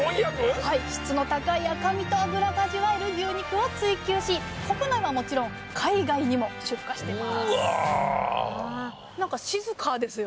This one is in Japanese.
質の高い赤身と脂が味わえる牛肉を追求し国内はもちろん海外にも出荷しています